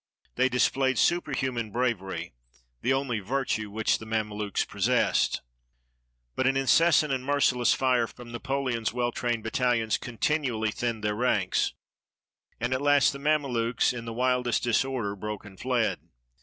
They displayed superhuman brav ery, the only virtue which the Mamelukes possessed. But an incessant and merciless fire from Napoleon's well trained battaHons continually thinned their ranks, and at last the Mamelukes, in the wildest disorder, broke and fled.